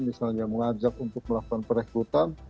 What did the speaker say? misalnya mengajak untuk melakukan perekrutan